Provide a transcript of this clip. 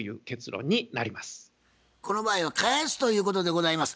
この場合は返すということでございます。